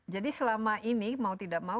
jadi selama ini mau tidak mau